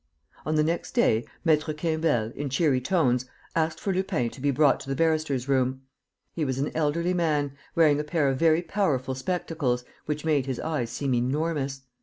On the next day Maître Quimbel, in cheery tones, asked for Lupin to be brought to the barristers' room. He was an elderly man, wearing a pair of very powerful spectacles, which made his eyes seem enormous.